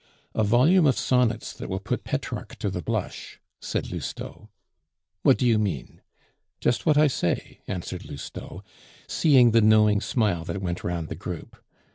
"A volume of sonnets that will put Petrarch to the blush," said Lousteau. "What do you mean?" "Just what I say," answered Lousteau, seeing the knowing smile that went round the group.